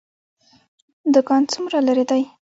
دکان څومره لرې دی؟